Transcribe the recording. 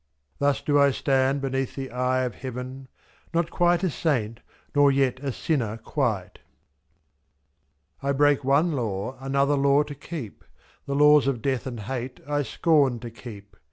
Thus do I stand beneath the eye of heaven. Not quite a saint, nor yet a sinner quite. I break one law, another law to keep; The laws of death and hate I scorn to keep, /»y.